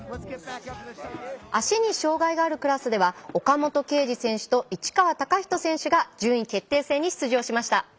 足に障がいがあるクラスでは岡本圭司選手と市川貴仁選手が順位決定戦に出場しました。